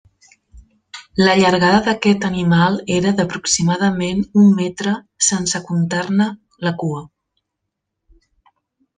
La llargada d'aquest animal era d'aproximadament un metre sense comptar-ne la cua.